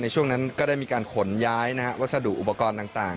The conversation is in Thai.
ช่วงนั้นก็ได้มีการขนย้ายวัสดุอุปกรณ์ต่าง